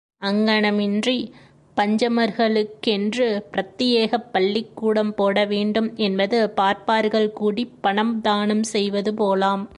அங்ஙனமின்றிப் பஞ்சமர்களுக்கென்று பிரத்தியேகப் பள்ளிக்கூடம் போட வேண்டும் என்பது பார்ப்பார்கள் கூடிப் பணம் தானம் செய்வது போலாம்.